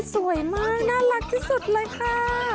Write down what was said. สวยมากน่ารักที่สุดเลยค่ะ